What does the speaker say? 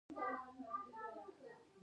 ایا په بدن مو دانې راغلي دي؟